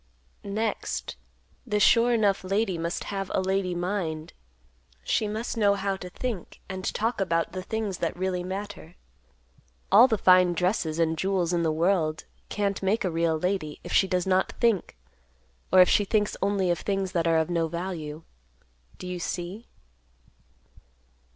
"Next, the 'sure enough' lady must have a lady mind. She must know how to think and talk about the things that really matter. All the fine dresses and jewels in the world can't make a real lady, if she does not think, or if she thinks only of things that are of no value. Do you see?"